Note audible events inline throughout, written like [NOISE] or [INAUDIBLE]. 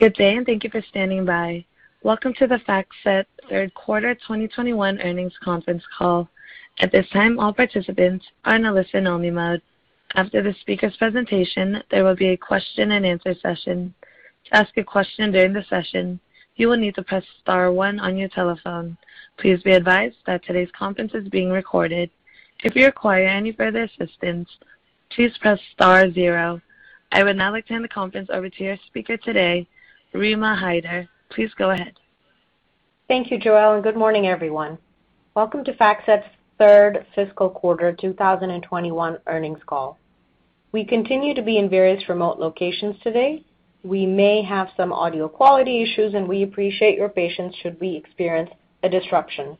Good day, and thank you for standing by. Welcome to the FactSet third quarter 2021 earnings conference call. At this time, all participants are in a listen-only mode. After the speaker's presentation, there will be a question-and-answer session. To ask a question during the session, you will need to press star one on your telephone. Please be advised that today's conference is being recorded. If you require any further assistance, choose press star zero. I would now like to hand the conference over to our speaker today, Rima Hyder. Please go ahead. Thank you, Joelle. Good morning, everyone. Welcome to FactSet's third fiscal quarter 2021 earnings call. We continue to be in various remote locations today. We may have some audio quality issues, and we appreciate your patience should we experience a disruption.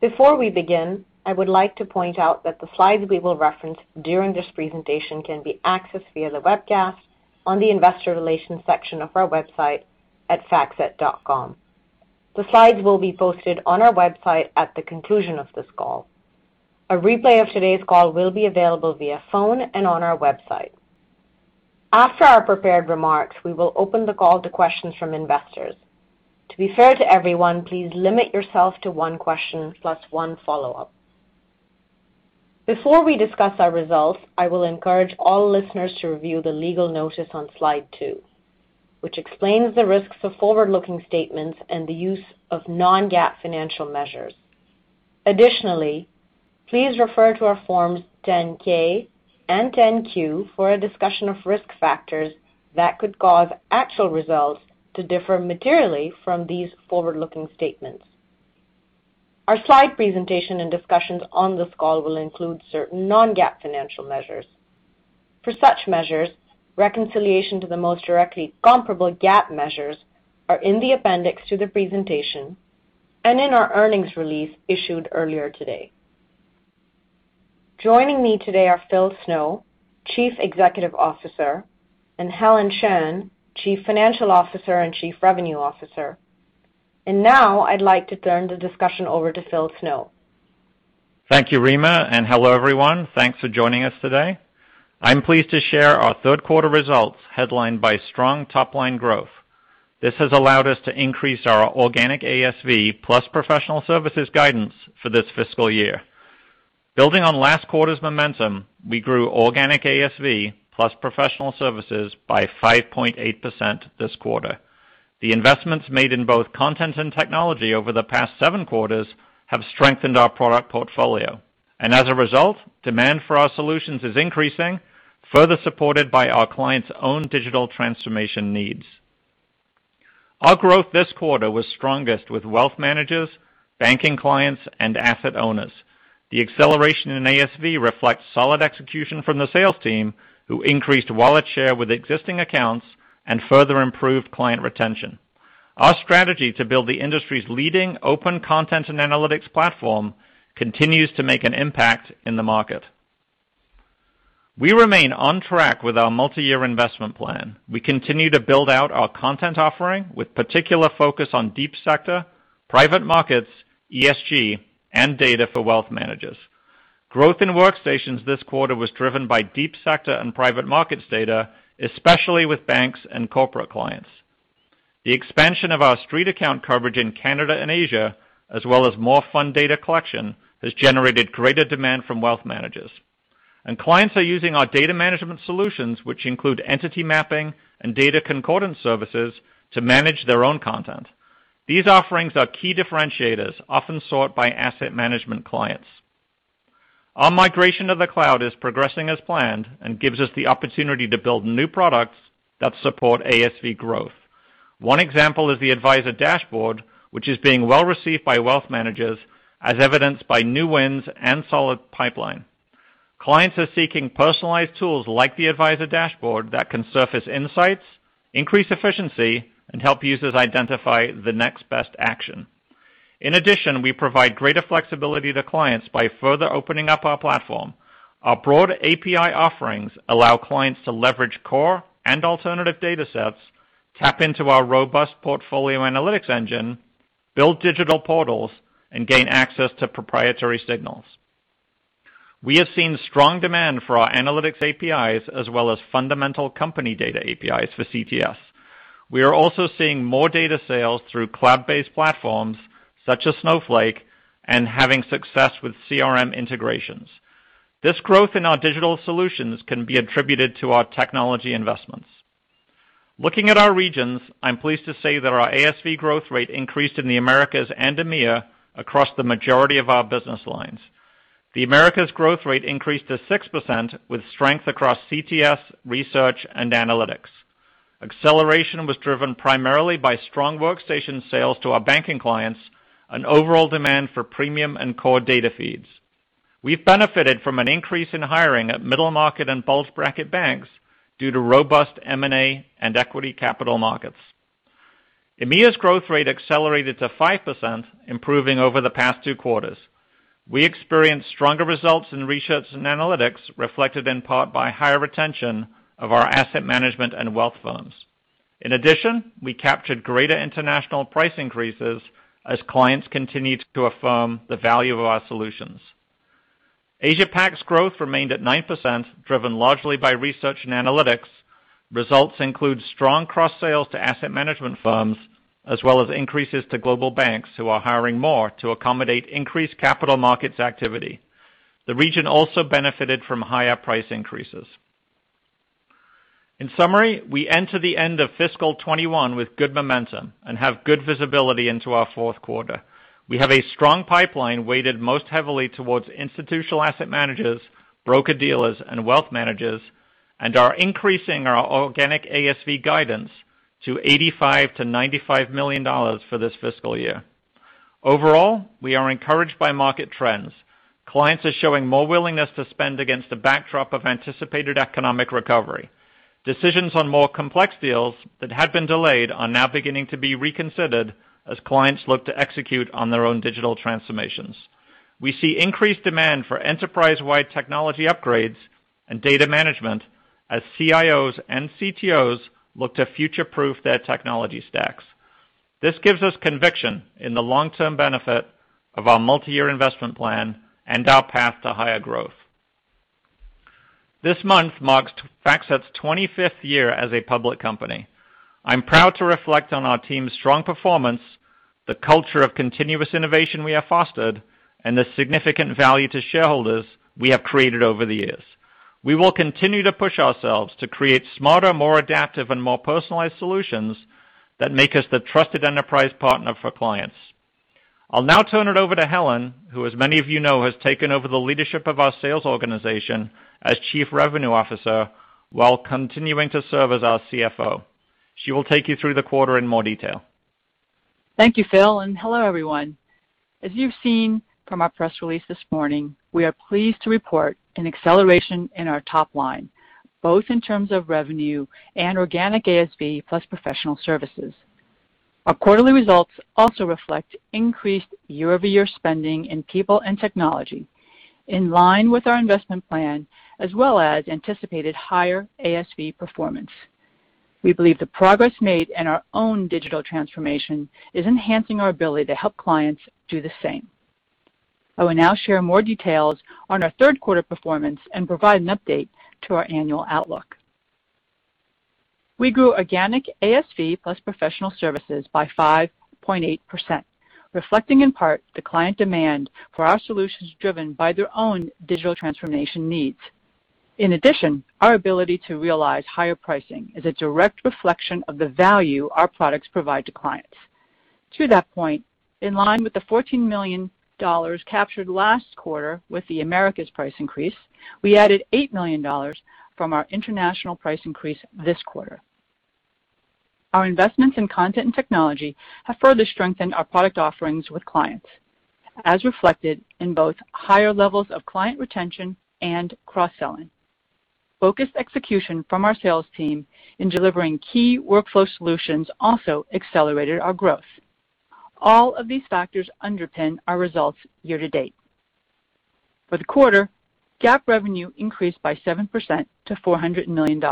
Before we begin, I would like to point out that the slides we will reference during this presentation can be accessed via the webcast on the investor relations section of our website at factset.com. The slides will be posted on our website at the conclusion of this call. A replay of today's call will be available via phone and on our website. After our prepared remarks, we will open the call to questions from investors. To be fair to everyone, please limit yourself to one question plus one follow-up. Before we discuss our results, I will encourage all listeners to review the legal notice on slide two, which explains the risks of forward-looking statements and the use of non-GAAP financial measures. Additionally, please refer to our Forms 10-K and 10-Q for a discussion of risk factors that could cause actual results to differ materially from these forward-looking statements. Our slide presentation and discussions on this call will include certain non-GAAP financial measures. For such measures, reconciliation to the most directly comparable GAAP measures are in the appendix to the presentation and in our earnings release issued earlier today. Joining me today are Phil Snow, Chief Executive Officer, and Helen Shan, Chief Financial Officer and Chief Revenue Officer. Now I'd like to turn the discussion over to Phil Snow. Thank you, Rima. Hello, everyone. Thanks for joining us today. I'm pleased to share our third-quarter results, headlined by strong top-line growth. This has allowed us to increase our organic ASV plus professional services guidance for this fiscal year. Building on last quarter's momentum, we grew organic ASV plus professional services by 5.8% this quarter. The investments made in both content and technology over the past seven quarters have strengthened our product portfolio, and as a result, demand for our solutions is increasing, further supported by our clients' own digital transformation needs. Our growth this quarter was strongest with wealth managers, banking clients, and asset owners. The acceleration in ASV reflects solid execution from the sales team, who increased wallet share with existing accounts and further improved client retention. Our strategy to build the industry's leading open content and analytics platform continues to make an impact in the market. We remain on track with our multi-year investment plan. We continue to build out our content offering with particular focus on deep sector, private markets, ESG, and data for wealth managers. Growth in workstations this quarter was driven by deep sector and private markets data, especially with banks and corporate clients. The expansion of our StreetAccount coverage in Canada and Asia, as well as more fund data collection, has generated greater demand from wealth managers. Clients are using our data management solutions, which include entity mapping and data concordance services, to manage their own content. These offerings are key differentiators often sought by asset management clients. Our migration to the cloud is progressing as planned and gives us the opportunity to build new products that support ASV growth. One example is the Advisor Dashboard, which is being well received by wealth managers, as evidenced by new wins and solid pipeline. Clients are seeking personalized tools like the Advisor Dashboard that can surface insights, increase efficiency, and help users identify the next best action. In addition, we provide greater flexibility to clients by further opening up our platform. Our broad API offerings allow clients to leverage core and alternative datasets, tap into our robust portfolio analytics engine, build digital portals, and gain access to proprietary signals. We have seen strong demand for our analytics APIs as well as fundamental company data APIs for CTS. We are also seeing more data sales through cloud-based platforms such as Snowflake and having success with CRM integrations. This growth in our digital solutions can be attributed to our technology investments. Looking at our regions, I'm pleased to say that our ASV growth rate increased in the Americas and EMEA across the majority of our business lines. The Americas' growth rate increased to 6%, with strength across CTS, research, and analytics. Acceleration was driven primarily by strong workstation sales to our banking clients and overall demand for premium and core data feeds. We've benefited from an increase in hiring at middle market and bulge bracket banks due to robust M&A and equity capital markets. EMEA's growth rate accelerated to 5%, improving over the past two quarters. We experienced stronger results in research and analytics, reflected in part by higher retention of our asset management and wealth firms. In addition, we captured greater international price increases as clients continued to affirm the value of our solutions. Asia-Pac's growth remained at 9%, driven largely by research and analytics. Results include strong cross-sales to asset management firms, as well as increases to global banks who are hiring more to accommodate increased capital markets activity. The region also benefited from higher price increases. In summary, we enter the end of fiscal 2021 with good momentum and have good visibility into our fourth quarter. We have a strong pipeline weighted most heavily towards institutional asset managers, broker-dealers, and wealth managers, and are increasing our organic ASV guidance to $85 million-$95 million for this fiscal year. Overall, we are encouraged by market trends. Clients are showing more willingness to spend against the backdrop of anticipated economic recovery. Decisions on more complex deals that had been delayed are now beginning to be reconsidered as clients look to execute on their own digital transformations. We see increased demand for enterprise-wide technology upgrades and data management as CIOs and CTOs look to future-proof their technology stacks. This gives us conviction in the long-term benefit of our multi-year investment plan and our path to higher growth. This month marks FactSet's 25th year as a public company. I'm proud to reflect on our team's strong performance, the culture of continuous innovation we have fostered, and the significant value to shareholders we have created over the years. We will continue to push ourselves to create smarter, more adaptive, and more personalized solutions that make us the trusted enterprise partner for clients. I'll now turn it over to Helen, who, as many of you know, has taken over the leadership of our sales organization as Chief Revenue Officer while continuing to serve as our CFO. She will take you through the quarter in more detail. Thank you, Phil. Hello, everyone. As you've seen from our press release this morning, we are pleased to report an acceleration in our top line, both in terms of revenue and organic ASV plus professional services. Our quarterly results also reflect increased year-over-year spending in people and technology in line with our investment plan, as well as anticipated higher ASV performance. We believe the progress made in our own digital transformation is enhancing our ability to help clients do the same. I will now share more details on our third-quarter performance and provide an update to our annual outlook. We grew organic ASV plus professional services by 5.8%, reflecting in part the client demand for our solutions driven by their own digital transformation needs. Our ability to realize higher pricing is a direct reflection of the value our products provide to clients. To that point, in line with the $14 million captured last quarter with the Americas price increase, we added $8 million from our international price increase this quarter. Our investments in content technology have further strengthened our product offerings with clients, as reflected in both higher levels of client retention and cross-selling. Focused execution from our sales team in delivering key workflow solutions also accelerated our growth. All of these factors underpin our results year-to-date. For the quarter, GAAP revenue increased by 7% to $400 million.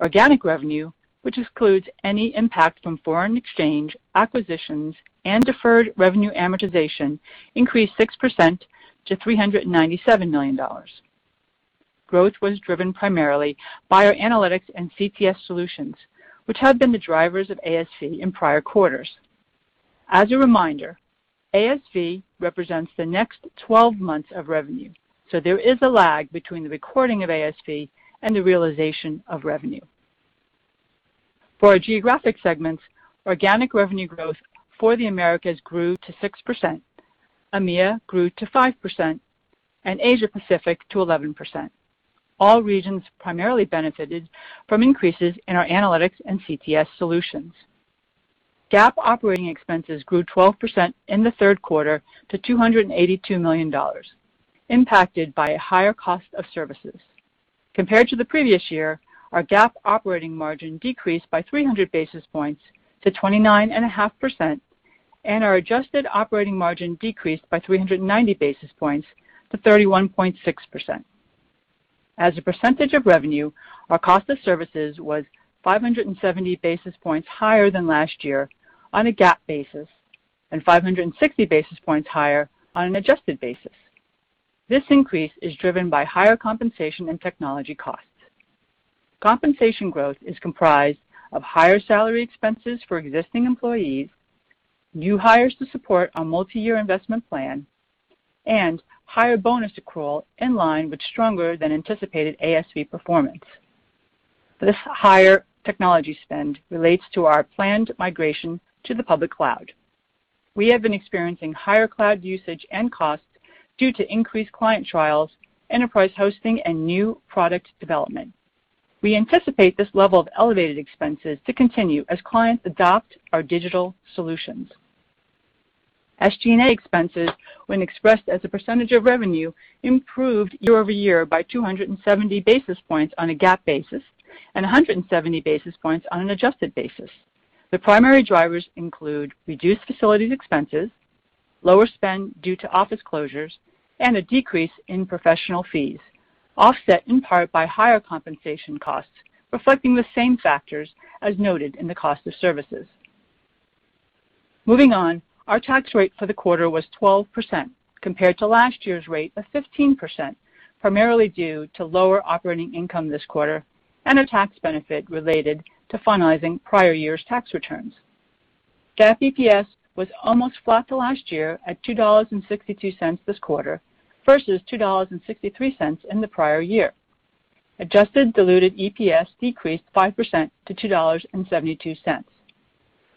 Organic revenue, which excludes any impact from foreign exchange, acquisitions, and deferred revenue amortization, increased 6% to $397 million. Growth was driven primarily by our analytics and CTS solutions, which have been the drivers of ASV in prior quarters. As a reminder, ASV represents the next 12 months of revenue, so there is a lag between the recording of ASV and the realization of revenue. For our geographic segments, organic revenue growth for the Americas grew to 6%, EMEA grew to 5%, and Asia-Pacific to 11%. All regions primarily benefited from increases in our analytics and CTS solutions. GAAP operating expenses grew 12% in the third quarter to $282 million, impacted by a higher cost of services. Compared to the previous year, our GAAP operating margin decreased by 300 basis points to 29.5%, and our adjusted operating margin decreased by 390 basis points to 31.6%. As a percentage of revenue, our cost of services was 570 basis points higher than last year on a GAAP basis and 560 basis points higher on an adjusted basis. This increase is driven by higher compensation and technology costs. Compensation growth is comprised of higher salary expenses for existing employees, new hires to support our multi-year investment plan, and higher bonus accrual in line with stronger-than-anticipated ASV performance. This higher technology spend relates to our planned migration to the public cloud. We have been experiencing higher cloud usage and costs due to increased client trials, enterprise hosting, and new product development. We anticipate this level of elevated expenses to continue as clients adopt our digital solutions. SG&A expenses, when expressed as a percentage of revenue, improved year-over-year by 270 basis points on a GAAP basis and 170 basis points on an adjusted basis. The primary drivers include reduced facilities expenses, lower spend due to office closures, and a decrease in professional fees, offset in part by higher compensation costs reflecting the same factors as noted in the cost of services. Moving on, our tax rate for the quarter was 12% compared to last year's rate of 15%, primarily due to lower operating income this quarter and a tax benefit related to finalizing prior year's tax returns. GAAP EPS was almost flat to last year at $2.62 this quarter, versus $2.63 in the prior year. Adjusted diluted EPS decreased 5% to $2.72.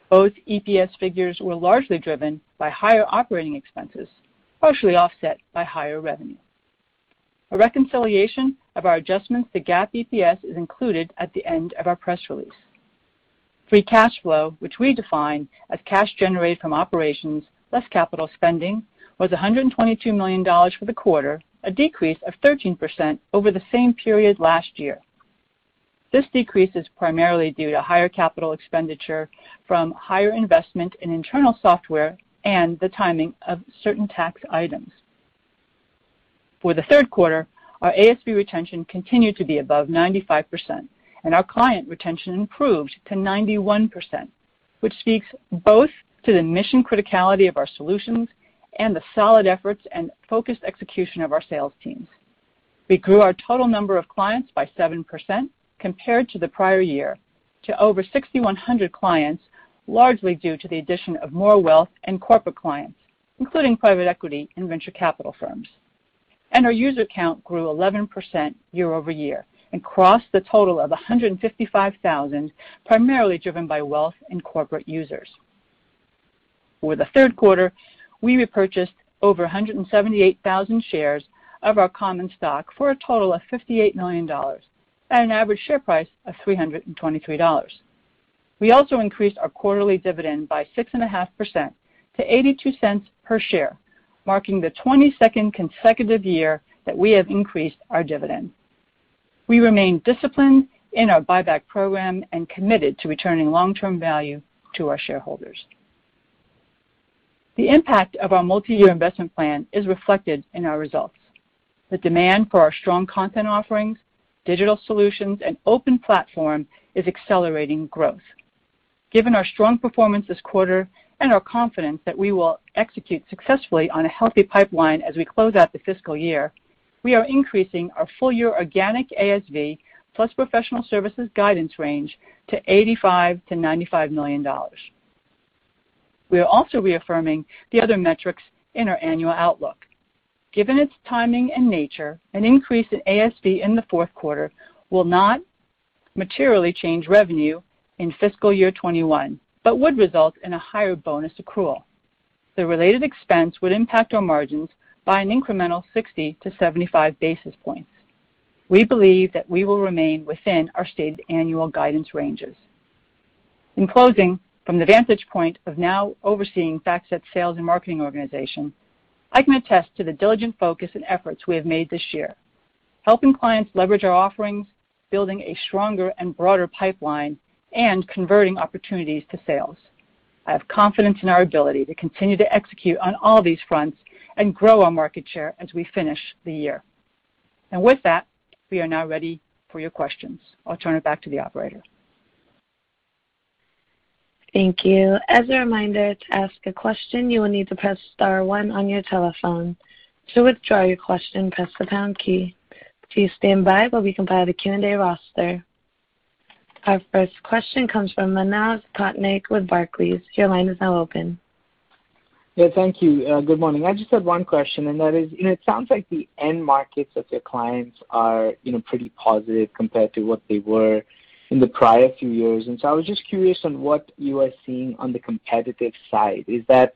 Both EPS figures were largely driven by higher operating expenses, partially offset by higher revenue. A reconciliation of our adjustment to GAAP EPS is included at the end of our press release. Free cash flow, which we define as cash generated from operations less capital spending, was $122 million for the quarter, a decrease of 13% over the same period last year. This decrease is primarily due to higher capital expenditure from higher investment in internal software and the timing of certain tax items. For the third quarter, our ASV retention continued to be above 95%, and our client retention improved to 91%, which speaks both to the mission-criticality of our solutions and the solid efforts and focused execution of our sales teams. We grew our total number of clients by 7% compared to the prior year to over 6,100 clients, largely due to the addition of more wealth and corporate clients, including private equity and venture capital firms. Our user count grew 11% year-over-year and crossed a total of 155,000, primarily driven by wealth and corporate users. For the third quarter, we repurchased over 178,000 shares of our common stock for a total of $58 million at an average share price of $323. We also increased our quarterly dividend by 6.5% to $0.82 per share, marking the 22nd consecutive year that we have increased our dividend. We remain disciplined in our buyback program and committed to returning long-term value to our shareholders. The impact of our multi-year investment plan is reflected in our results. The demand for our strong content offerings, digital solutions, and open platform is accelerating growth. Given our strong performance this quarter and our confidence that we will execute successfully on a healthy pipeline as we close out the fiscal year, we are increasing our full-year organic ASV plus professional services guidance range to $85 million-$95 million. We are also reaffirming the other metrics in our annual outlook. Given its timing and nature, an increase in ASV in the fourth quarter will not materially change revenue in fiscal year 2021, but would result in a higher bonus accrual. The related expense would impact our margins by an incremental 60 to 75 basis points. We believe that we will remain within our stated annual guidance ranges. In closing, from the vantage point of now, overseeing FactSet's sales and marketing organization. I can attest to the diligent focus and efforts we have made this year, helping clients leverage our offerings, building a stronger and broader pipeline, and converting opportunities to sales. With that, we are now ready for your questions. I'll turn it back to the operator. Thank you. As a reminder, to ask a question, you'll need to press star one on your telephone. To withdraw your question, press the pound key. Please, stand by while we compile the Q&A roster. Our first question comes from Manav Patnaik with Barclays. Your line is now open. Yeah, thank you. Good morning. I just have one question, and that is, it sounds like the end markets of the clients are pretty positive compared to what they were in the prior few years, and so I was just curious on what you are seeing on the competitive side. Is it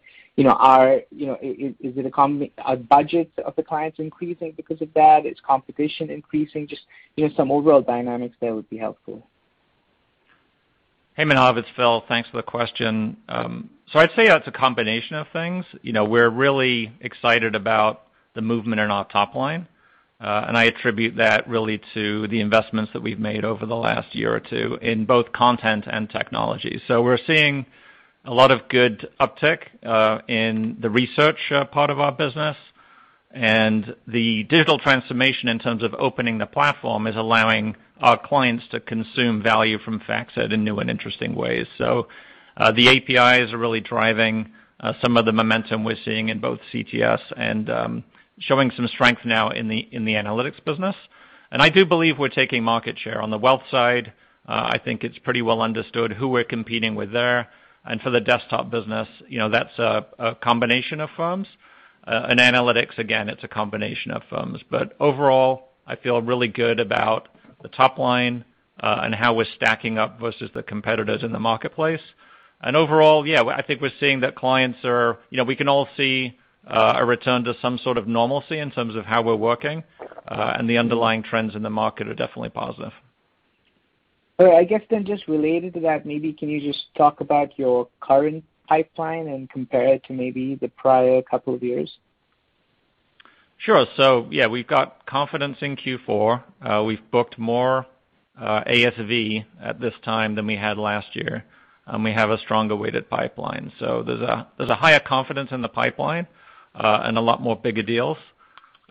a budget of the clients increasing because of that? Is competition increasing? Just some overall dynamics there would be helpful. Hey, Manav. It's Phil. Thanks for the question. I'd say it's a combination of things. We're really excited about the movement in our top line, and I attribute that really to the investments that we've made over the last year or two in both content and technology. We're seeing a lot of good uptick in the research part of our business, and the digital transformation in terms of opening the platform is allowing our clients to consume value from FactSet in new and interesting ways. The API is really driving some of the momentum we're seeing in both CTS and showing some strength now in the analytics business. I do believe we're taking market share. On the wealth side, I think it's pretty well understood who we're competing with there. For the desktop business, that's a combination of firms. In analytics, again, it's a combination of firms. Overall, I feel really good about the top line and how we're stacking up versus the competitors in the marketplace. Overall, yeah, I think we're seeing that we can all see a return to some sort of normalcy in terms of how we're working, and the underlying trends in the market are definitely positive. I guess just related to that, maybe can you just talk about your current pipeline and compare it to maybe the prior couple of years? Sure. Yeah, we've got confidence in Q4. We've booked more ASV at this time than we had last year, and we have a stronger weighted pipeline. There's a higher confidence in the pipeline, and a lot more bigger deals,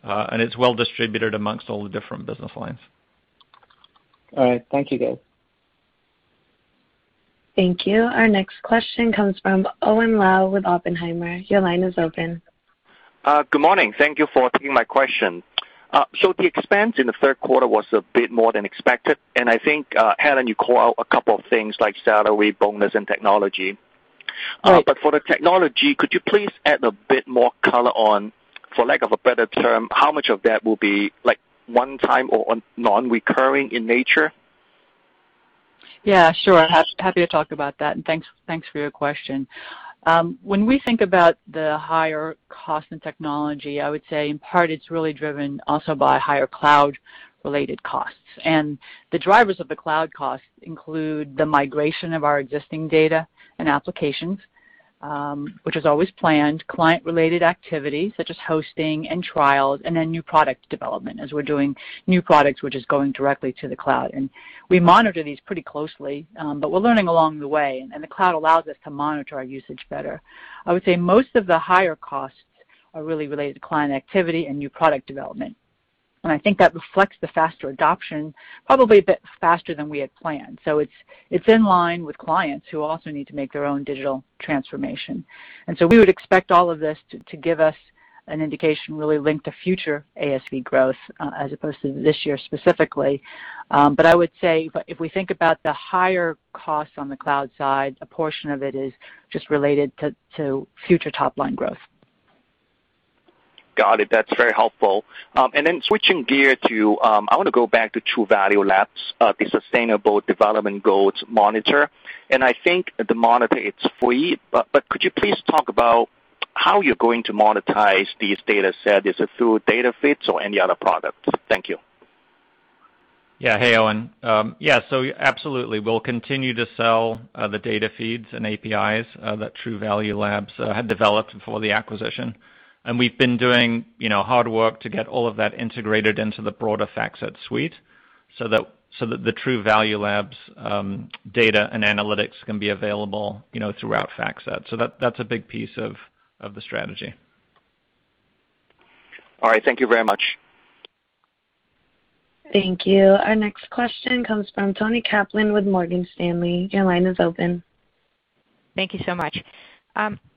and it's well distributed amongst all the different business lines. All right. Thank you, guys. Thank you. Our next question comes from Owen Lau with Oppenheimer. Your line is open. Good morning. Thank you for taking my question. The expense in the third quarter was a bit more than expected, and I think, Helen, you call out a couple of things like salary, bonus, and technology. For the technology, could you please add a bit more color on, for lack of a better term, how much of that will be one-time or non-recurring in nature? Yeah, sure. Happy to talk about that, and thanks for your question. When we think about the higher cost in technology, I would say in part it's really driven also by higher cloud-related costs. The drivers of the cloud costs include the migration of our existing data and applications, which is always planned, client-related activity such as hosting and trials, and then new product development, as we're doing new products, which is going directly to the cloud. We monitor these pretty closely, but we're learning along the way, and the cloud allows us to monitor our usage better. I would say most of the higher costs are really related to client activity and new product development. I think that reflects the faster adoption, probably a bit faster than we had planned. It's in line with clients who also need to make their own digital transformation. We would expect all of this to give us an indication really, linked to future ASV growth as opposed to this year specifically. I would say if we think about the higher cost on the cloud side, a portion of it is just related to future top-line growth. Got it. That's very helpful. Switching gear to, I want to go back to Truvalue Labs, the Sustainable Development Goals monitor, and I think the monitor is free. Could you please talk about how you're going to monetize these dataset? Is it through data feeds or any other product? Thank you. Yeah. Hey, Owen. Yeah. Absolutely. We'll continue to sell the data feeds and APIs that Truvalue Labs had developed before the acquisition. We've been doing hard work to get all of that integrated into the broader FactSet suite so that the Truvalue Labs data and analytics can be available throughout FactSet. That's a big piece of the strategy. All right. Thank you very much. Thank you. Our next question comes from Toni Kaplan with Morgan Stanley. Your line is open. Thank you so much.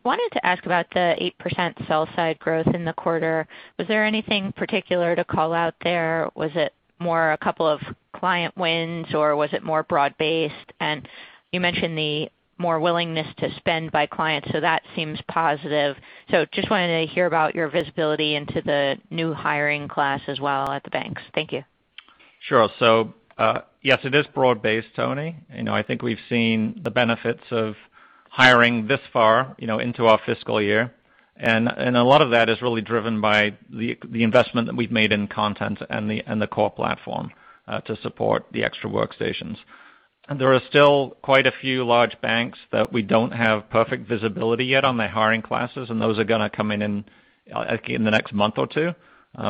Wanted to ask about the 8% sell-side growth in the quarter. Was there anything particular to call out there? Was it more a couple of client wins, or was it more broad-based? You mentioned the more willingness to spend by clients, that seems positive. Just wanted to hear about your visibility into the new hiring class as well at the banks. Thank you. Sure. Yes, it is broad-based, Toni. I think we've seen the benefits of hiring this far into our fiscal year. A lot of that is really driven by the investment that we've made in content and the core platform to support the extra workstations. There are still quite a few large banks that we don't have perfect visibility yet on their hiring classes, and those are going to come in the next month or two.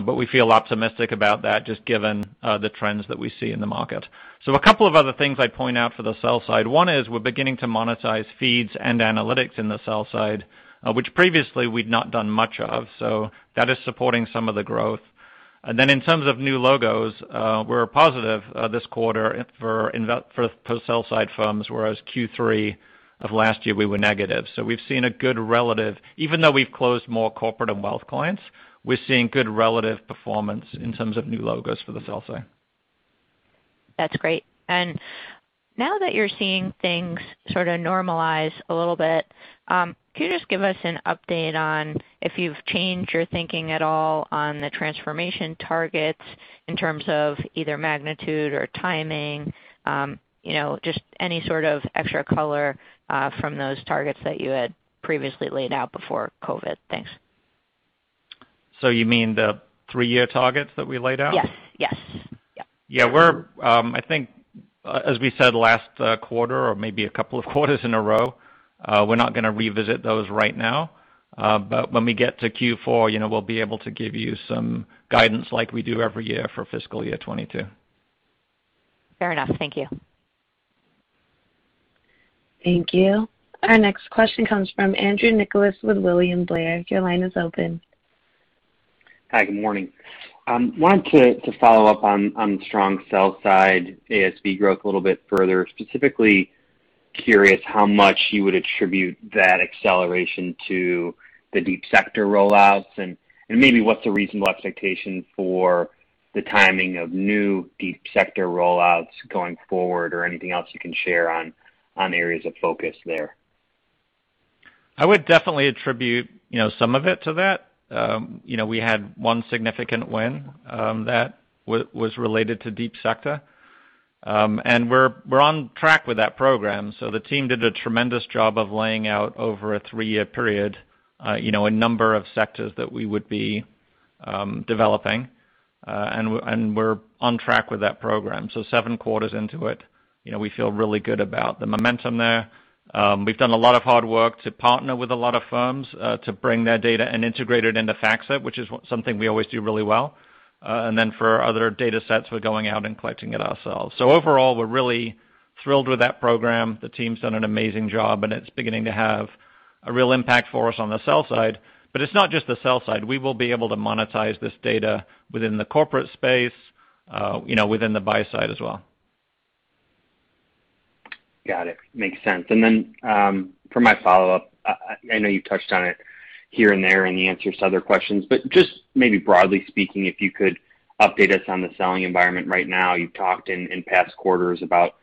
We feel optimistic about that, just given the trends that we see in the market. A couple of other things I'd point out for the sell side. One is we're beginning to monetize feeds and analytics in the sell side, which previously we'd not done much of. That is supporting some of the growth. In terms of new logos, we're positive this quarter for sell-side firms, whereas Q3 of last year, we were negative. Even though we've closed more corporate and wealth clients, we're seeing good relative performance in terms of new logos for the sell side. That's great. Now that you're seeing things sort of normalize a little bit, can you just give us an update on if you've changed your thinking at all on the transformation targets in terms of either magnitude or timing? Just any sort of extra color from those targets that you had previously laid out before COVID. Thanks. You mean the three-year targets that we laid out? Yes. Yeah. I think as we said last quarter, or maybe a couple of quarters in a row, we're not going to revisit those right now. When we get to Q4, we'll be able to give you some guidance like we do every year for fiscal year 2022. Fair enough. Thank you. Thank you. Our next question comes from Andrew Nicholas with William Blair. Your line is open. Hi, good morning. Wanted to follow up on strong sell-side ASV growth a little bit further. Specifically, curious how much you would attribute that acceleration to the deep sector rollouts, and maybe what's a reasonable expectation for the timing of new deep sector rollouts going forward or anything else you can share on areas of focus there? I would definitely attribute some of it to that. We had one significant win that was related to deep sector. We're on track with that program. The team did a tremendous job of laying out over a three-year period a number of sectors that we would be developing, and we're on track with that program. Seven quarters into it, we feel really good about the momentum there. We've done a lot of hard work to partner with a lot of firms to bring their data and integrate it into FactSet, which is something we always do really well. Then, for our other datasets, we're going out and collecting it ourselves. Overall, we're really thrilled with that program. The team's done an amazing job, and it's beginning to have a real impact for us on the sell side. It's not just the sell side. We will be able to monetize this data within the corporate space, within the buy side as well. Got it. Makes sense. Then, for my follow-up, I know you touched on it here and there in the answers to other questions, but just maybe broadly speaking, if you could update us on the selling environment right now. You've talked in past quarters about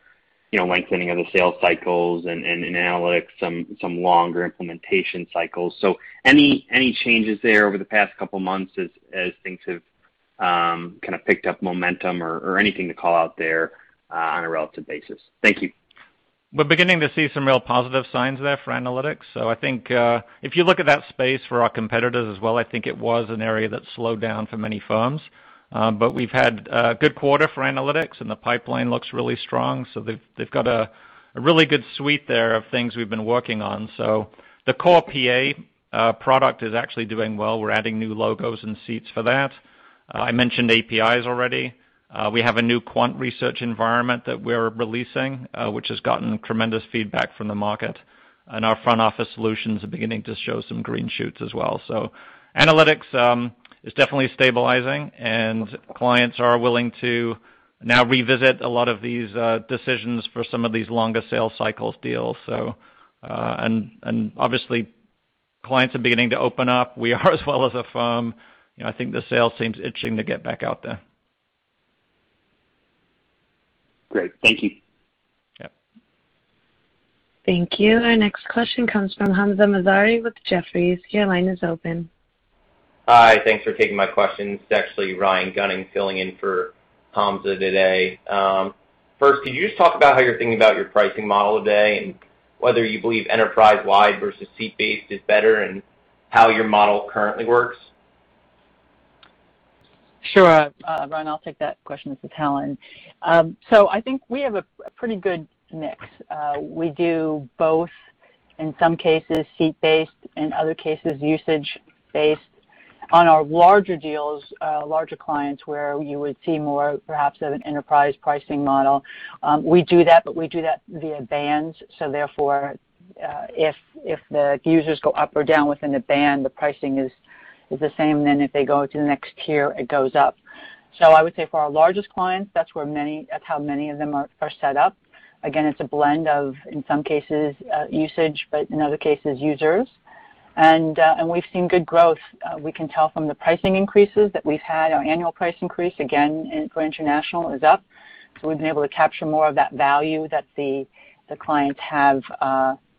lengthening of the sales cycles and analytics, some longer implementation cycles. So, any changes there over the past two months as things have kind of picked up momentum, or anything to call out there on a relative basis? Thank you. We're beginning to see some real positive signs there for analytics. I think if you look at that space for our competitors as well, I think it was an area that slowed down for many firms. We've had a good quarter for analytics, and the pipeline looks really strong. They've got a really good suite there of things we've been working on. The core PA product is actually doing well. We're adding new logos and seats for that. I mentioned APIs already. We have a new quant research environment that we're releasing, which has gotten tremendous feedback from the market, and our front-office solutions are beginning to show some green shoots as well. Analytics is definitely stabilizing, and clients are willing to now revisit a lot of these decisions for some of these longer sales cycle deals. Obviously, clients are beginning to open up. We are as well as a firm. I think the sales team's itching to get back out there. Great. Thank you. Thank you. Our next question comes from Hamzah Mazari with Jefferies. Your line is open. Hi, thanks for taking my question. It's actually Ryan Gunning filling in for Hamzah today. First, could you just talk about how you're thinking about your pricing model today, and whether you believe enterprise-wide versus seat-based is better, and how your model currently works? Sure. Ryan, I'll take that question. This is Helen. I think we have a pretty good mix. We do both, in some cases, seat-based, in other cases, usage-based. On our larger deals, larger clients, where we would see more perhaps of an enterprise pricing model, we do that, but we do that via bands. Therefore, if the users go up or down within a band, the pricing is the same. If they go to the next tier, it goes up. I would say for our largest clients, that's how many of them are set up. Again, it's a blend of, in some cases, usage, but in other cases, users. We've seen good growth. We can tell from the pricing increases that we've had. Our annual price increase, again, for international is up. We've been able to capture more of that value that the clients have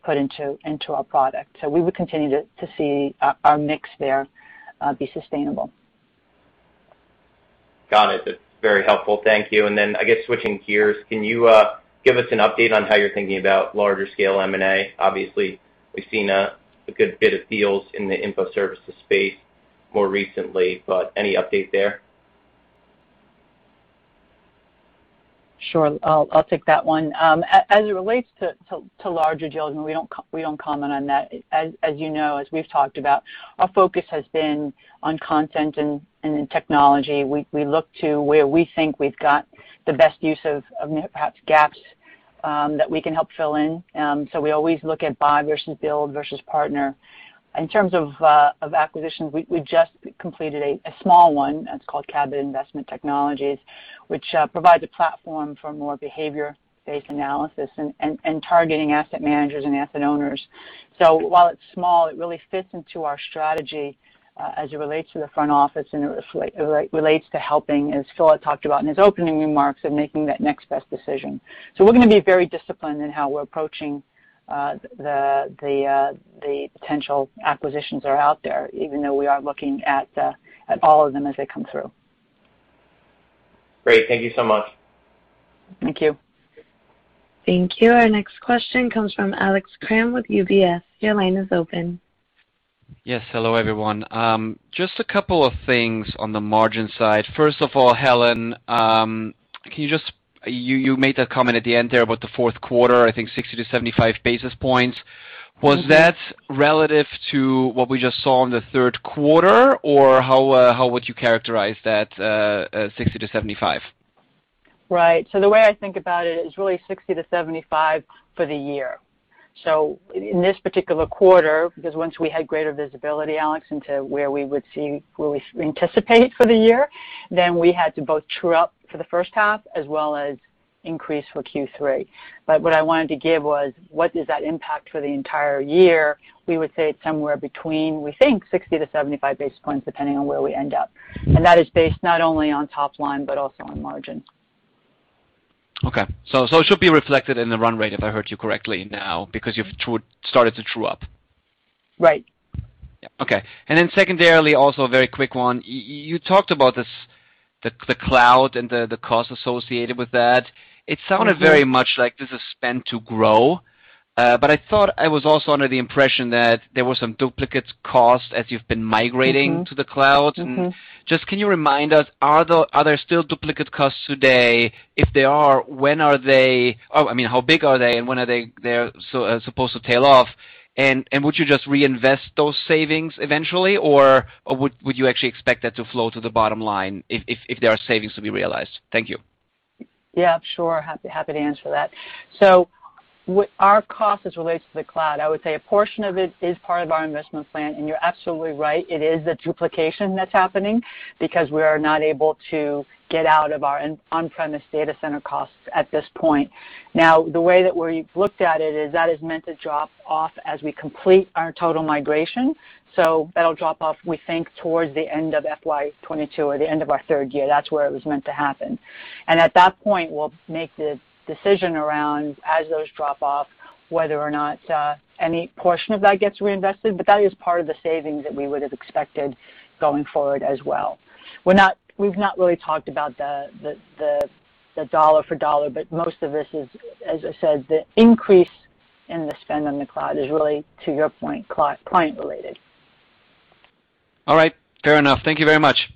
put into our product. We would continue to see our mix there be sustainable. Got it. That's very helpful. Thank you. I guess switching gears, can you give us an update on how you're thinking about larger-scale M&A? Obviously, we've seen a good bit of deals in the Information Services space more recently, any update there? Sure, I'll take that one. As it relates to larger deals, we don't comment on that. As you know, as we've talked about, our focus has been on content and in technology. We look to where we think we've got the best use of perhaps gaps that we can help fill in. We always look at buy versus build versus partner. In terms of acquisitions, we just completed a small one that's called Cabot Investment Technology, which provides a platform for more behavior-based analysis and targeting asset managers and asset owners. While it's small, it really fits into our strategy as it relates to the front office, and it relates to helping, as Phil had talked about in his opening remarks, of making that next best decision. We're going to be very disciplined in how we're approaching the potential acquisitions that are out there, even though we are looking at all of them as they come through. Great. Thank you so much. Thank you. Thank you. Our next question comes from Alex Kramm with UBS. Your line is open. Yes. Hello, everyone. Just a couple of things on the margin side. First of all, Helen, can you, you made that comment at the end there about the fourth quarter, I think 60 to 75 basis points. Was that relative to what we just saw in the third quarter, or how would you characterize that 60 to 75? Right. The way I think about it is really 60-75 for the year. In this particular quarter, because once we had greater visibility, Alex, into where we would see, where we anticipated for the year, then we had to both true up for the first half as well as increase for Q3. What I wanted to give was what does that impact for the entire year? We would say it's somewhere between, we think, 60-75 basis points, depending on where we end up. That is based not only on top line but also on margin. Okay. It should be reflected in the run rate, if I heard you correctly now, because you've started to true up. Right. Okay. Secondarily, also a very quick one. You talked about the cloud and the cost associated with that. It sounded very much like this is spend to grow. I thought I was also under the impression that there were some duplicate costs as you've been migrating to the cloud. Just can you remind us, are there still duplicate costs today? If there are, I mean, how big are they, and when are they supposed to tail off? Would you just reinvest those savings eventually, or would you actually expect that to flow to the bottom line if there are savings to be realized? Thank you. Yeah, sure. Happy to answer that. Our cost as it relates to the cloud, I would say a portion of it is part of our investment plan. You're absolutely right, it is a duplication that's happening because we are not able to get out of our on-premise data center costs at this point. Now, the way that we've looked at it is that is meant to drop off as we complete our total migration. That'll drop off, we think, towards the end of FY 2022 or the end of our third year. That's where it was meant to happen. At that point, we'll make the decision around as those drop off, whether or not any portion of that gets reinvested. That is part of the savings that we would have expected going forward as well. We've not really talked about the dollar-for-dollar, but most of this is, as I said, the increase in the spend on the cloud is really, to your point, client-related. All right. Fair enough. Thank you very much.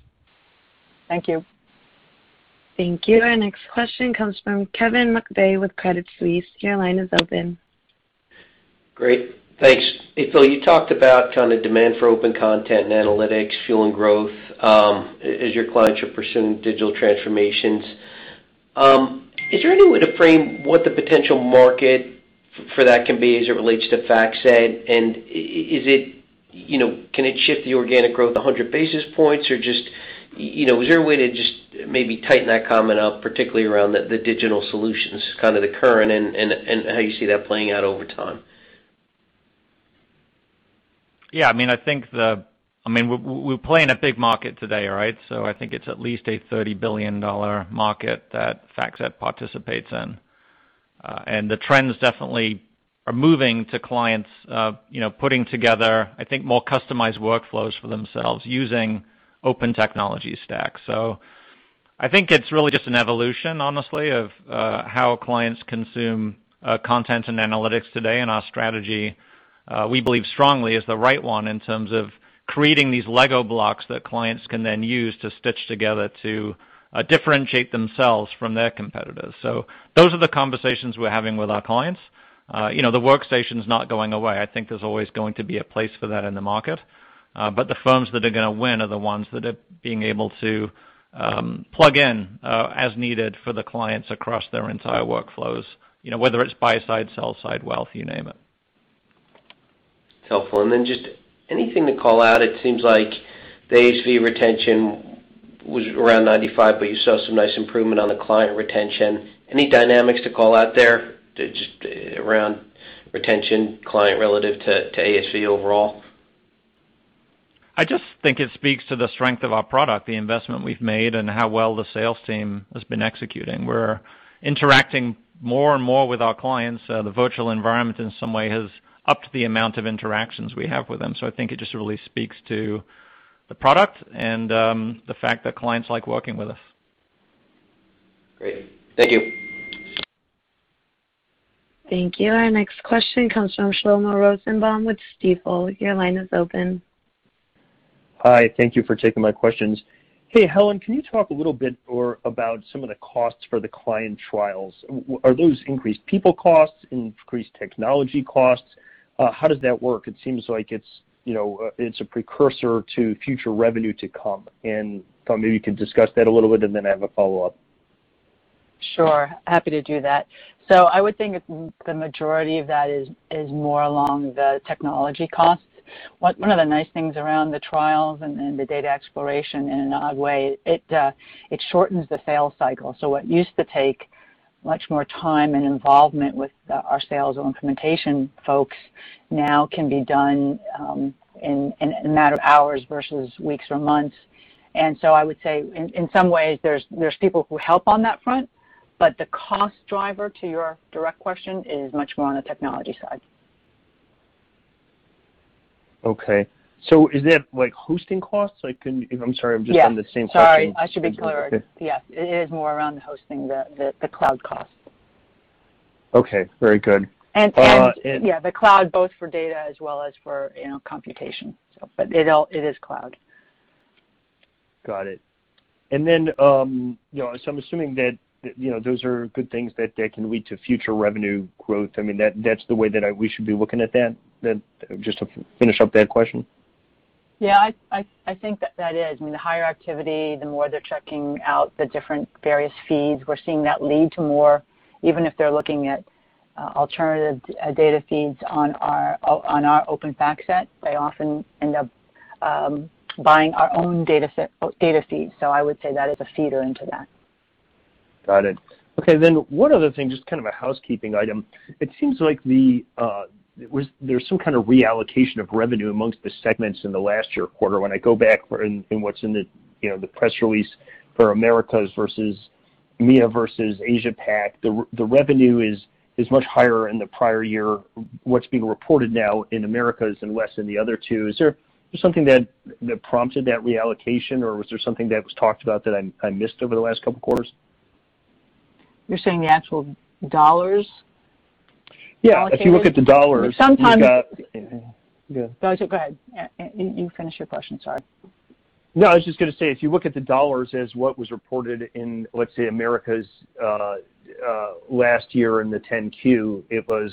Thank you. Thank you. Our next question comes from Kevin McVeigh with Credit Suisse. Your line is open. Great. Thanks. You talked about kind of demand for open content and analytics fueling growth as your clients are pursuing digital transformations. Is there any way to frame what the potential market for that can be as it relates to FactSet? Can it shift the organic growth 100 basis points? Is there a way to just maybe tighten that comment up, particularly around the digital solutions, kind of the current and how you see that playing out over time? Yeah, we play in a big market today, right? I think it's at least a $30 billion market that FactSet participates in. The trends definitely are moving to clients putting together, I think, more customized workflows for themselves using open technology stack. I think it's really just an evolution, honestly, of how clients consume content and analytics today, and our strategy, we believe strongly, is the right one in terms of creating these Lego blocks that clients can then use to stitch together to differentiate themselves from their competitors. Those are the conversations we're having with our clients. The workstation's not going away. I think there's always going to be a place for that in the market. The firms that are going to win are the ones that are being able to plug in as needed for the clients across their entire workflows, whether it's buy-side, sell-side, wealth, you name it. Helpful. Just anything to call out. It seems like the ASV retention was around 95%, but you saw some nice improvement on the client retention. Any dynamics to call out there just around retention client relative to ASV overall? I just think it speaks to the strength of our product, the investment we've made, and how well the sales team has been executing. We're interacting more and more with our clients. The virtual environment, in some way, has upped the amount of interactions we have with them. I think it just really speaks to the product and the fact that clients like working with us. Great. Thank you. Thank you. Our next question comes from Shlomo Rosenbaum with Stifel. Your line is open. Hi. Thank you for taking my questions. Hey, Helen, can you talk a little bit more about some of the costs for the client trials? Are those increased people costs, increased technology costs? How does that work? It seems like it's a precursor to future revenue to come. If maybe you can discuss that a little bit, then I have a follow-up. I would think the majority of that is more along the technology costs. One of the nice things around the trials and the data exploration in a way, it shortens the sales cycle. What used to take much more time and involvement with our sales implementation folks now can be done in a matter of hours versus weeks or months. I would say in some ways there's people who help on that front, but the cost driver to your direct question is much more on the technology side. Okay. Is it like hosting costs? I'm sorry, I'm just on the same- Yeah. Sorry, I should be clearer. Yeah, it is more around hosting the cloud cost. Okay. Very good. The cloud both for data as well as for computation. It is cloud. Got it. I'm assuming that those are good things that can lead to future revenue growth. That's the way that we should be looking at that? Just to finish up that question. I think that is. The higher activity, the more they're checking out the different various feeds. We're seeing that lead to more, even if they're looking at alternative data feeds on our Open:FactSet, they often end up buying our own data feed. I would say that is a feeder into that. Got it. Okay, one other thing, just kind of a housekeeping item. It seems like there's some kind of reallocation of revenue amongst the segments in the last year quarter. I go back, and what's in the press release for Americas versus EMEA versus Asia-Pac, the revenue is much higher in the prior year. What's being reported now in Americas and less than the other two. Is there something that prompted that reallocation, or was there something that was talked about that I missed over the last couple of quarters? You're saying the actual dollars? Yeah. If you look at the dollars. Go ahead. You finish your question. Sorry. No, I was just going to say, if you look at the dollars as what was reported in, let's say, Americas. Last year in the 10-Q, it was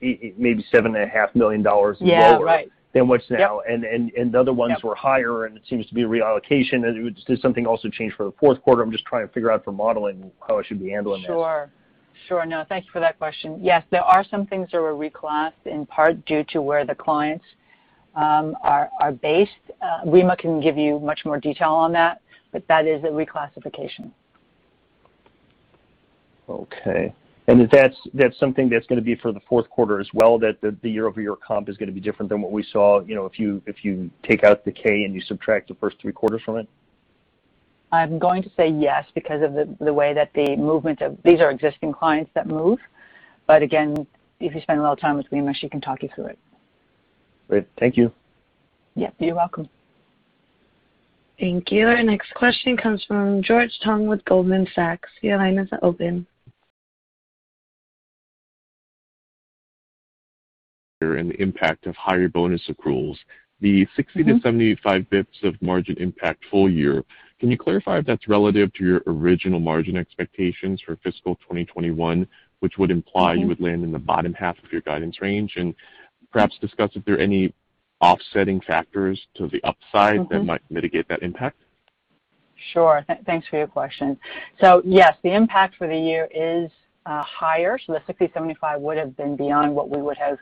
maybe $7.5 million lower. Yeah. Right. Than what's now, and the other ones were higher, and it seems to be a reallocation. Did something also change for the fourth quarter? I'm just trying to figure out, for modeling how I should be handling this. Sure. No, thanks for that question. Yes, there are some things that were reclassed, in part due to where the clients are based. Rima can give you much more detail on that, but that is a reclassification. Okay. That's something that's going to be for the fourth quarter as well, that the year-over-year comp is going to be different than what we saw if you take out the K and you subtract the first three quarters from it? I'm going to say yes, because of the way that these are existing clients that move. Again, if you spend a little time with Rima, she can talk you through it. Great. Thank you. Yeah, you're welcome. Thank you. Our next question comes from George Tong with Goldman Sachs. Your line is open. The impact of higher bonus accruals, the 60-75 basis points of margin impact full year. Can you clarify if that's relative to your original margin expectations for fiscal 2021, which would imply you would land in the bottom half of your guidance range? Perhaps discuss if there are any offsetting factors to the upside that might mitigate that impact? Sure. Thanks for your question. Yes, the impact for the year is higher; the $60-$75 would have been beyond what we would have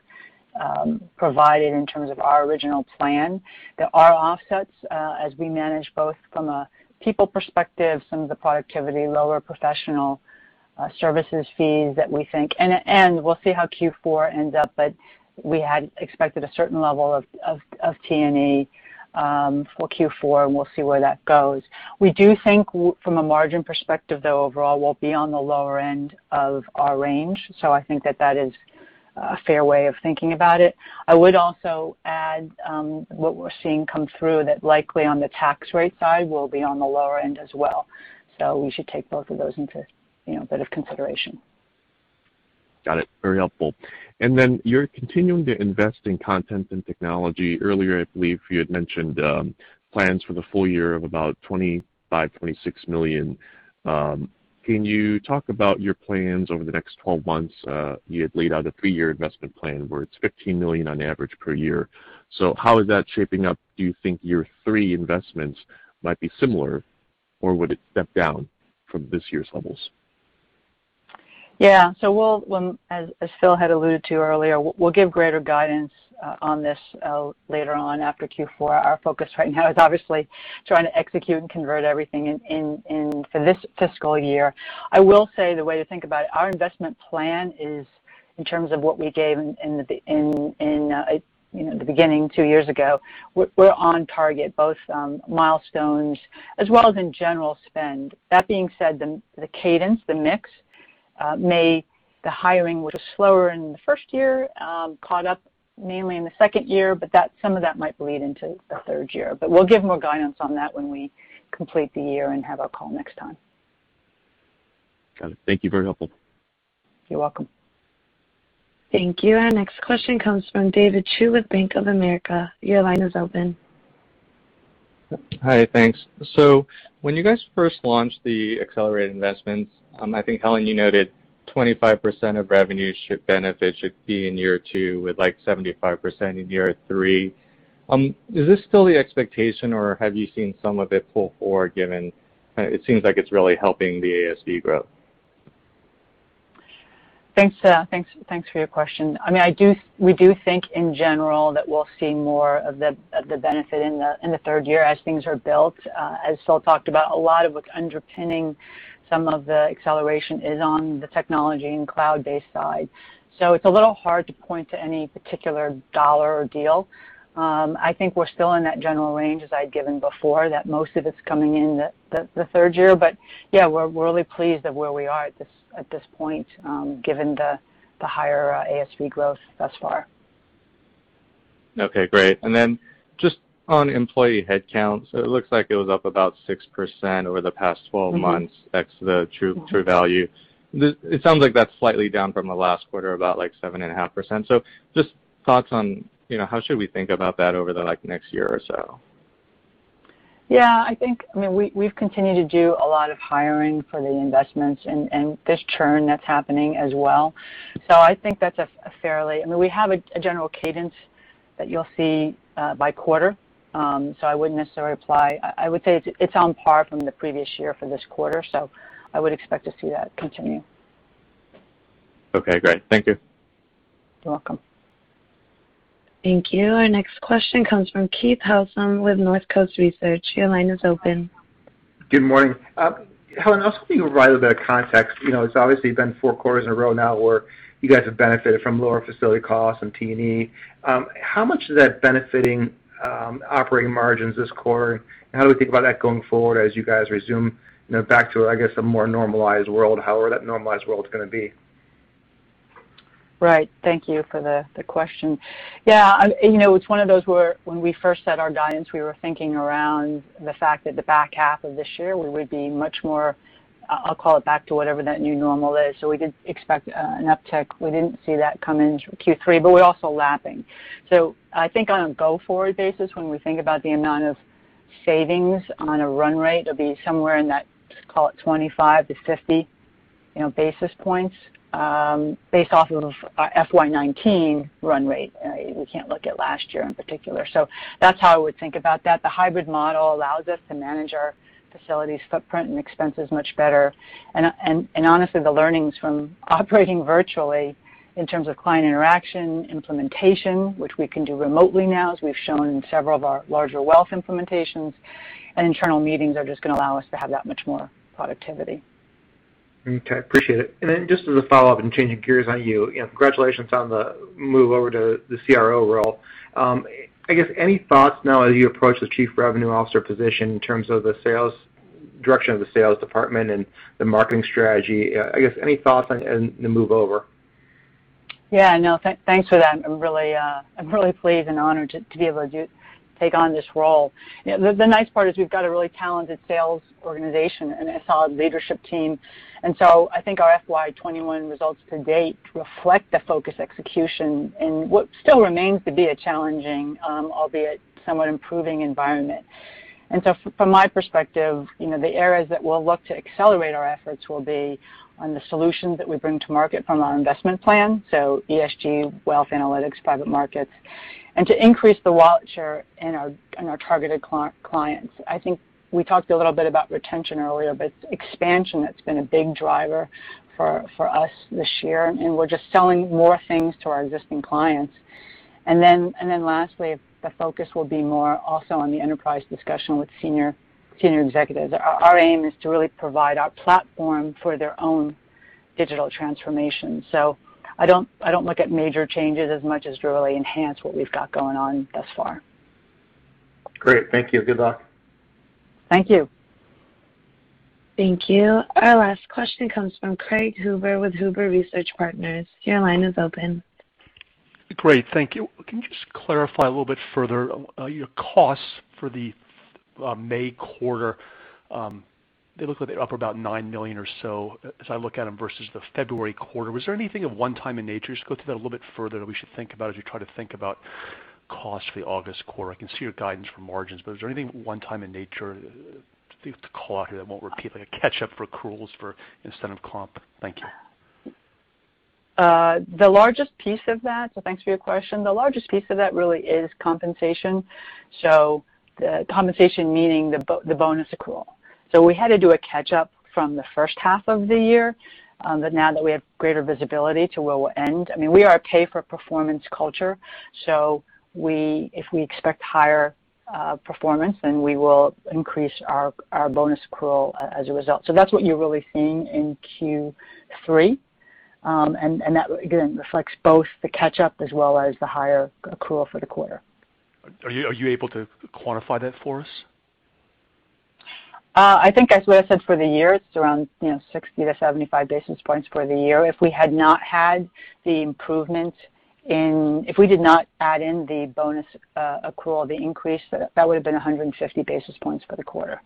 provided in terms of our original plan. There are offsets as we manage both from a people perspective, some of the productivity, lower professional services fees, and we'll see how Q4 ends up, but we had expected a certain level of T&E for Q4, and we'll see where that goes. We do think from a margin perspective, though, overall, we'll be on the lower end of our range. I think that is a fair way of thinking about it. I would also add what we're seeing come through that likely on the tax rate side, we'll be on the lower end as well. We should take both of those into a bit of consideration. Got it. Very helpful. You're continuing to invest in content and technology. Earlier, I believe you had mentioned plans for the full year of about $25 million, $26 million. Can you talk about your plans over the next 12 months? You had laid out a three-year investment plan where it's $15 million on average per year. How is that shaping up? Do you think year three investments might be similar, or would it step down from this year's levels? As Phil had alluded to earlier, we'll give greater guidance on this later on after Q4. Our focus right now is obviously trying to execute and convert everything in this fiscal year. I will say the way to think about our investment plan is in terms of what we gave in the beginning, two years ago. We're on target, both on milestones as well as in general spend. The cadence, the mix, the hiring was slower in the first year, caught up mainly in the second year, but some of that might bleed into the third year. We'll give more guidance on that when we complete the year and have our call next time. Got it. Thank you. Very helpful. You're welcome. Thank you. Our next question comes from David Chu with Bank of America. Hi, thanks. When you guys first launched the accelerate investments, I think, Helen, you noted 25% of revenue benefits should be in year two with 75% in year three. Is this still the expectation, or have you seen some of it pull forward, given it seems like it's really helping the ASV growth? Thanks for your question. We do think in general that we'll see more of the benefit in the third year as things are built. As Phil talked about, a lot of what's underpinning some of the acceleration is on the technology and cloud-based side. It's a little hard to point to any particular dollar or deal. I think we're still in that general range that I'd given before, that most of it's coming in the third year. Yeah, we're really pleased at where we are at this point, given the higher ASV growth thus far. Okay, great. Then, just on employee headcount, it looks like it was up about 6% over the past 12 months. [AUDIO DISTORTION] the Truvalue. It sounds like that's slightly down from the last quarter, about 7.5%. Just thoughts on how should we think about that over the next year or so? I think we've continued to do a lot of hiring for the investments and this churn that's happening as well. We have a general cadence that you'll see by quarter. I would say it's on par from the previous year for this quarter, so I would expect to see that continue. Okay, great. Thank you. You're welcome. Thank you. Our next question comes from Keith Housum with Northcoast Research. Your line is open. Good morning. Helen, I was hoping you could provide a bit of context. It's obviously been four quarters in a row now where you guys have benefited from lower facility costs and T&E. How much is that benefiting operating margins this quarter, and how do we think about that going forward as you guys resume back to, I guess, a more normalized world? However, that normalized world's going to be. Right. Thank you for the question. Yeah. It's one of those where when we first set our guidance, we were thinking around the fact that the back half of this year would be much more, I'll call it back to whatever that new normal is. We did expect an uptick. We didn't see that come in Q3. We're also lapping. I think on a go-forward basis, when we think about the amount of savings on a run rate will be somewhere in that, call it 25 to 50 basis points, based off of FY 2019 run rate. We can't look at last year in particular. That's how I would think about that. The hybrid model allows us to manage our facilities' footprint and expenses much better. Honestly, the learnings from operating virtually in terms of client interaction, implementation, which we can do remotely now, as we've shown in several of our larger wealth implementations, and internal meetings are just going to allow us to have that much more productivity. Okay, appreciate it. Just as a follow-up and changing gears on you, congratulations on the move over to the CRO role. I guess any thoughts now as you approach the Chief Revenue Officer position in terms of the direction of the sales department and the marketing strategy? I guess any thoughts on the move over? Yeah, no, thanks for that. I'm really pleased and honored to be able to take on this role. The nice part is we've got a really talented sales organization and a solid leadership team. I think our FY 2021 results have been great to reflect the focused execution in what still remains to be a challenging, albeit somewhat improving environment. From my perspective, the areas that we'll look to accelerate our efforts will be on the solutions that we bring to market from our investment plan, so ESG, wealth analytics, private markets, and to increase the wallet share in our targeted clients. I think we talked a little bit about retention earlier. It's expansion that's been a big driver for us this year. We're just selling more things to our existing clients. Lastly, the focus will be more also on the enterprise discussion with senior executives. Our aim is to really provide our platform for their own digital transformation. I don't look at major changes as much as really enhance what we've got going on thus far. Great. Thank you. Good luck. Thank you. Thank you. Our last question comes from Craig Huber with Huber Research Partners. Your line is open. Great. Thank you. Can you just clarify a little bit further, your costs for the May quarter? They look like they're up about $9 million or so as I look at them versus the February quarter. Was there anything of one time in nature as you go through that a little bit further that we should think about as you try to think about costs for the August quarter? I can see your guidance for margins. Is there anything one-time in nature to call out here that won't repeat, like a catch-up for accruals for incentive comp? Thank you. The largest piece of that, so thanks for your question. The largest piece of that really is compensation. The compensation, meaning the bonus accrual. We had to do a catch-up from the first half of the year. Now that we have greater visibility to where we'll end, I mean, we are a pay-for-performance culture, so if we expect higher performance, then we will increase our bonus accrual as a result. That's what you're really seeing in Q3. That, again, reflects both the catch-up as well as the higher accrual for the quarter. Are you able to quantify that for us? I think, as we have said for the year, it's around 60-75 basis points for the year. If we did not add in the bonus accrual, the increase, that would've been 150 basis points for the quarter.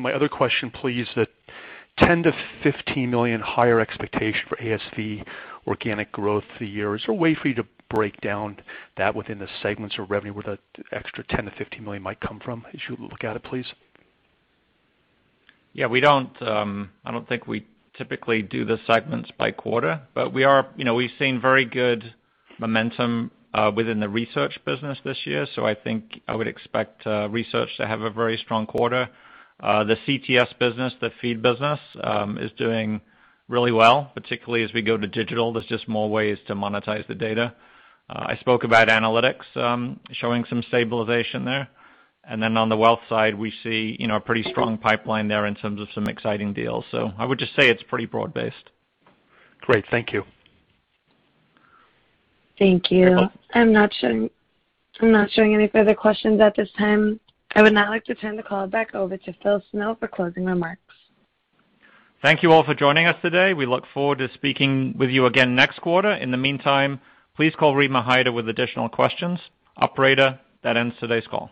My other question, please, that $10 million-$15 million higher expectation for ASV organic growth for the year, is there a way for you to break down that within the segments of revenue where the extra $10 million-$15 million might come from as you look at it, please? I don't think we typically do the segments by quarter, but we've seen very good momentum within the research business this year. I think I would expect research to have a very strong quarter. The CTS business, the feed business, is doing really well, particularly as we go to digital. There's just more ways to monetize the data. I spoke about analytics showing some stabilization there. Then on the wealth side, we see a pretty strong pipeline there in terms of some exciting deals. I would just say it's pretty broad-based. Great. Thank you. Thank you. I'm not showing any further questions at this time. I would now like to turn the call back over to Phil Snow for closing remarks. Thank you all for joining us today. We look forward to speaking with you again next quarter. In the meantime, please call Rima Hyder with additional questions. Operator, that ends today's call.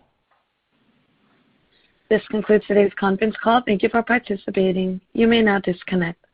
This concludes today's conference call. Thank you for participating. You may now disconnect.